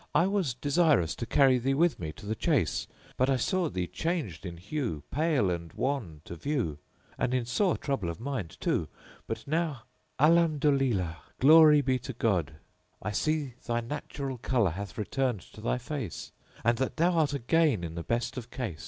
I was desirous to carry thee with me to the chase but I saw thee changed in hue, pale and wan to view, and in sore trouble of mind too. But now Alham dolillah—glory be to God!—I see thy natural colour hath returned to thy face and that thou art again in the best of case.